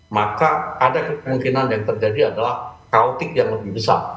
maka ada kemungkinan yang terjadi adalah kautik yang lebih besar